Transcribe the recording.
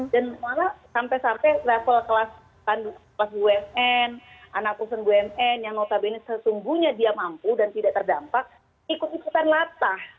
dan malah sampai sampai level kelas bumn anak usun bumn yang notabene sesungguhnya dia mampu dan tidak terdampak ikut ikutan latah